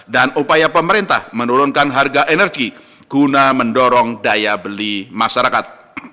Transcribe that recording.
dan upaya pemerintah menurunkan harga energi guna mendorong daya beli masyarakat